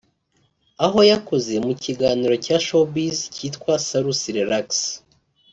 aho yakoze mu kiganiro cya Showbiz cyitwa Salus Relax